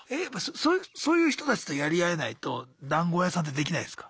そういう人たちとやり合えないと談合屋さんってできないんすか？